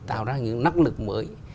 tạo ra những nắc lực mới